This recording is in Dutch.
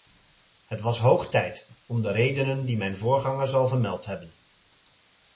Het was hoog tijd, om de redenen die mijn voorgangers al vermeld hebben.